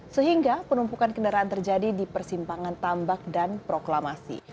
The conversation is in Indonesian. sehingga penumpukan kendaraan terjadi di persimpangan tambak dan proklamasi